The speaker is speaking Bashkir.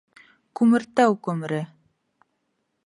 Күмертау күмере!